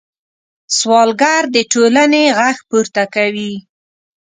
سوالګر د ټولنې غږ پورته کوي